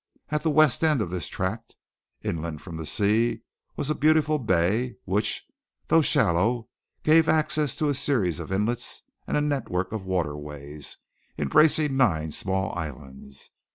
At the west end of this tract inland from the sea was a beautiful bay, which, though shallow, gave access to a series of inlets and a network of waterways, embracing nine small islands.